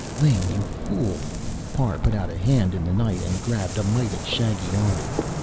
"Ling, you fool!" Parr put out a hand in the night, and grabbed a mighty shaggy arm.